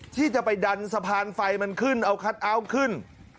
ที่จะไปดันสะพานไฟมันขึ้นเอาคัทเอาท์ขึ้น